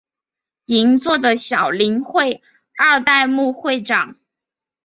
银座的小林会二代目会长。